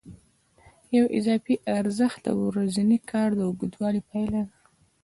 یو اضافي ارزښت د ورځني کار د اوږدوالي پایله ده